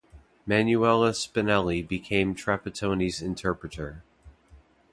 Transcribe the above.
Manuela Spinelli became Trapattoni's interpreter.